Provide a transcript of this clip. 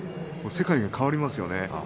世界が変わりますよね。